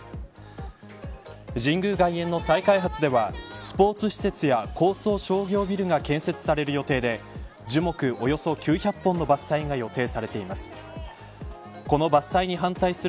神宮外苑の再開発ではスポーツ施設や高層商業ビルが建設される予定で樹木およそ９００本の伐採が予定されています。